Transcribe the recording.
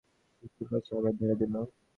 শিশুর কাছে আবার ধরা দিল।